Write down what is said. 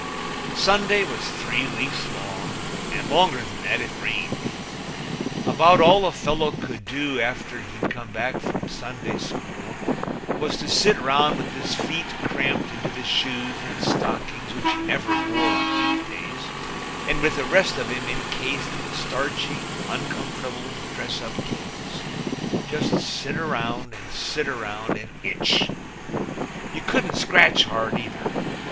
Sunday was three weeks long, and longer than that if it rained. About all a fellow could do after he'd come back from Sunday school was to sit round with his feet cramped into the shoes and stockings which he never wore on week days and with the rest of him incased in starchy, uncomfortable dress up clothes just sit round and sit round and itch. You couldn't scratch hard either.